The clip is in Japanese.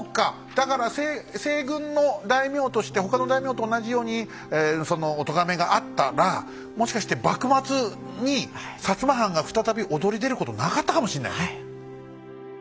だから西軍の大名として他の大名と同じようにそのおとがめがあったらもしかして幕末に摩藩が再び躍り出ることなかったかもしんないね。